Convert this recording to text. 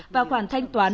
và khoản thanh toán